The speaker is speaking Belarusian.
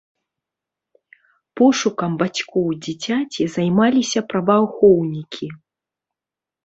Пошукам бацькоў дзіцяці займаліся праваахоўнікі.